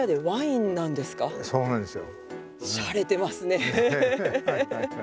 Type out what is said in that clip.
そうなんですよ。